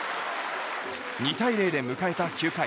２対０で迎えた９回。